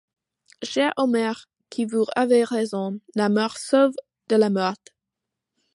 Cher Omer, que vous avez raison : l'amour sauve de la mort !